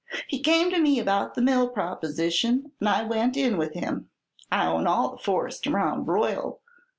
"He came to me about the mill proposition and I went in with him. I own all the forest around Royal.